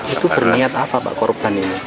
itu berniat apa pak korban ini